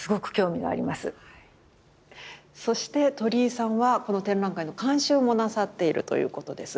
そして鳥居さんはこの展覧会の監修もなさっているということですが。